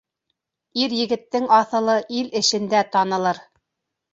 Ир-егеттең аҫылы ил эшендә танылыр.